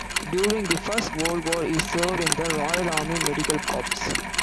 During the First World War, he served in the Royal Army Medical Corps.